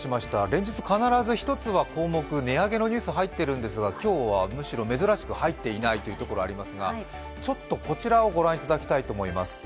連日必ず一つは項目値上げのニュースが入っているんですが今日は、むしろ珍しく入っていないというところありますがちょっとこちらを御覧いただきたいと思います。